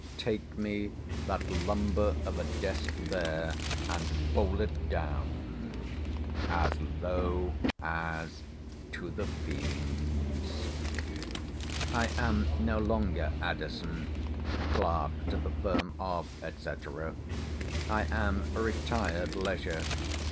Take me that lumber of a desk there, and bowl it down As low as to the fiends. I am no longer , clerk to the Firm of &c. I am Retired Leisure.